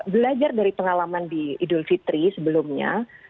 belajar dari pengalaman di idul fitri sebelumnya